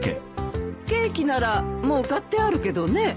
ケーキならもう買ってあるけどね。